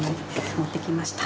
持ってきました。